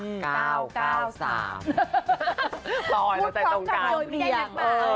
ซอยเราใส่ตรงกัน